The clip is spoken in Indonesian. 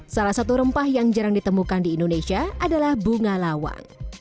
salah satu rempah yang jarang ditemukan di indonesia adalah bunga lawang